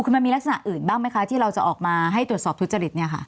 คือมันมีลักษณะอื่นบ้างไหมคะที่เราจะออกมาให้ตรวจสอบทุจริต